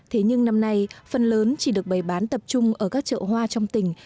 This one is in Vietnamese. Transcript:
thế nhưng năm nay phần lớn chỉ được bày bán tập trung ở các chợ hoa trong tỉnh